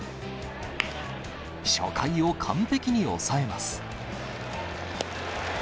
初回を完璧に抑えます。